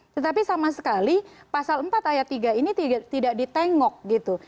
tetapi sama sekali pasal empat ayat tiga ini tidak ditengok gitu